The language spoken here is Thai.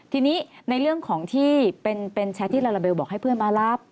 ทีนี้ในเรื่องของที่เป็นแชทที่ลาลาเบลบอกให้เพื่อนมารับ